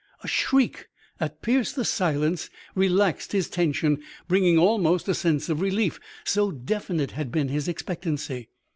"A shriek that pierced the silence relaxed his tension, bringing almost a sense of relief, so definite had been his expectancy.